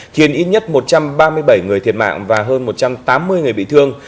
khiến ít nhất một trăm ba mươi bảy người thiệt mạng và hơn một trăm tám mươi người bị thương